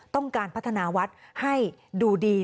ต้องการพัฒนาวัดให้ดูดี